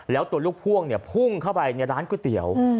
แล้วตัวลูกพ่วงเนี่ยพุ่งเข้าไปในร้านก๋วยเตี๋ยว